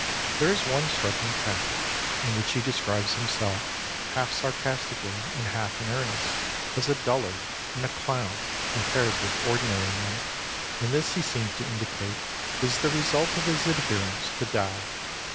There is one striking passage in which he describes himself, half sarcastically and half in earnest, as a dullard and a clown compared with ordinary men, and this, he seems to indicate, is the result of his adherence to Tao.